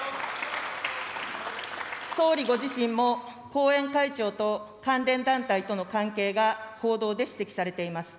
総理ご自身も、後援会長と関連団体との関係が報道で指摘されています。